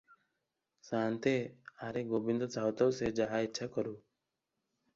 ସାଆନ୍ତେ "ଆରେ ଗୋବିନ୍ଦ, ଥାଉ ଥାଉ, ସେ ଯାହା ଇଚ୍ଛା କରୁ।"